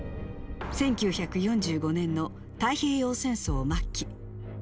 １９４５年の太平洋戦争末期。